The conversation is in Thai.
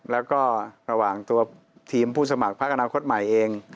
แล้วก็ระหว่างตัวทีมผู้สมัครพักอนาคตใหม่เอง